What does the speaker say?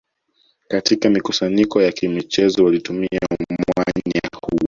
Katika mikusanyiko ya kimichezo walitumia mwanya huo